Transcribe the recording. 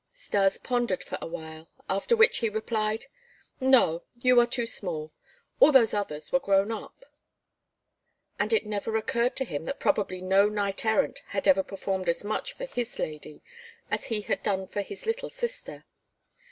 Stas pondered for a while, after which he replied: "No, you are too small. All those others were grown up." And it never occurred to him that probably no knight errant had ever performed as much for his lady as he had done for his little sister.